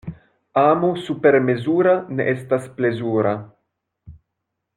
Amo supermezura ne estas plezura.